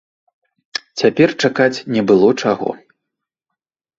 Цяпер чакаць не было чаго.